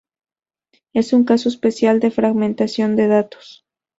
Es un caso especial de fragmentación de datos.